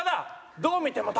どう見ても鷹！」？